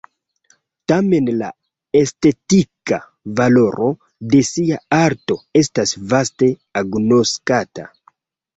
Tamen la estetika valoro de ŝia arto estas vaste agnoskata.